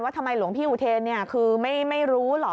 ทำไมหลวงพี่อุเทนคือไม่รู้เหรอ